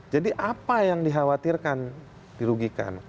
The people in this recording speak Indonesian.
jadi apa yang dikhawatirkan dirugikan